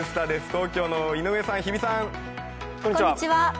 東京の井上さん、日比さん。